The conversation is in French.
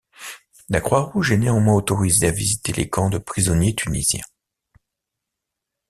La Croix-Rouge est néanmoins autorisée à visiter les camps de prisonniers tunisiens.